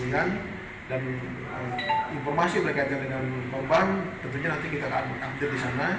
dan informasi mereka yang terkenal berubah tentunya nanti kita akan aktif di sana